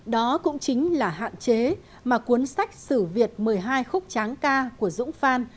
đó cũng chính là hạn chế mà cuốn sách sử việt một mươi hai khúc tráng ca của dũng phan